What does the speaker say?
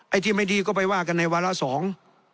ที่ไม่ดีก็ไปว่ากันในวาระสอง